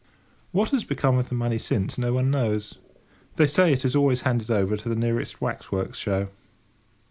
What has become of the money since no one knows. They say it is always handed over to the nearest wax works show.